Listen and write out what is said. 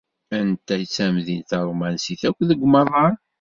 Anta i d tamdint tarumansit akk deg umaḍal?